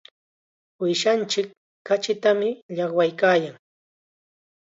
Uushanchik kachita llaqwaykaayan.